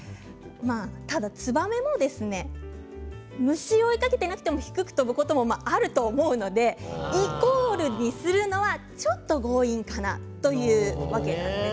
ただツバメも虫を追いかけていなくても低く飛ぶこともあると思うのでイコールにするのはちょっと強引かなというわけです。